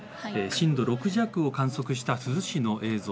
震度６弱を観測した珠洲市の映像。